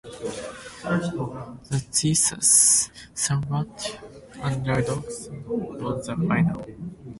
The Cheetahs, somewhat underdogs, won the final.